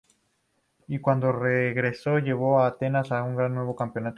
Y cuando regresó, llevó a Atenas a ganar un nuevo campeonato.